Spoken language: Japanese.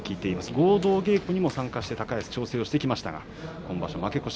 合同稽古にも参加して高安は調整してきましたが今場所、負け越し。